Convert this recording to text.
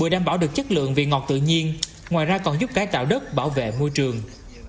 bưởi đảm bảo được chất lượng vì ngọt tự nhiên ngoài ra còn giúp cái tạo đất bảo vệ môi trường